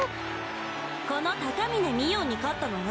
この高峰みおんに勝ったのよ。